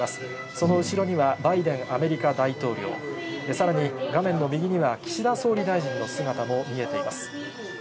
その後ろにはバイデンアメリカ大統領、さらに画面の右には岸田総理大臣の姿も見えています。